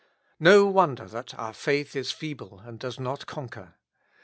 No wonder that our faith is feeble and does not conquer.